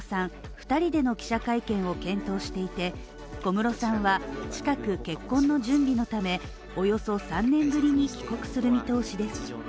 ２人の記者会見を検討していて、小室さんは近く、結婚の準備のため、およそ３年ぶりに帰国する見通しです。